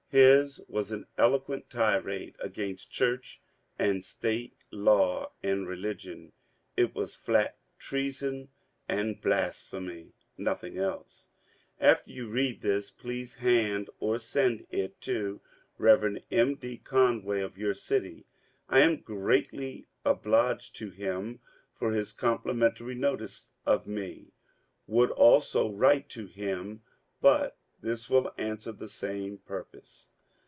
His was an elo^ ?uent tirade against Church and State, Law and Religion, t was flat treason and blasphemy — nothing else. ... After you read this, please hand or send it to Rev. M. D: Conway of your city. I am greatly obliged to him for his complimentary notice of me; would also write to him, but this will answer the same purpose.